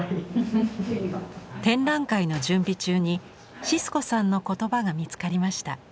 展覧会の準備中にシスコさんの言葉が見つかりました。